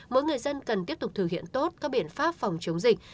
mỗi người dân cần tiếp tục thực hiện tốt các biện pháp phòng chống dịch